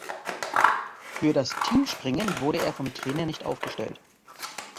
Für das Teamspringen wurde er vom Trainer nicht aufgestellt.